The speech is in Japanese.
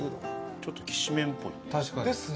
ちょっときしめんっぽい。ですね。